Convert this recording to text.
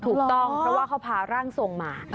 ถูกต้องเพราะว่าเขาพาร่างทรงมา